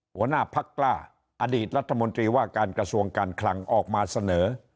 หัวหน้าพักกล้าอดีตรัฐมนตรีว่าการกระทรวงการคลังออกมาเสนอ